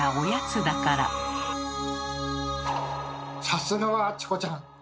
さすがはチコちゃん！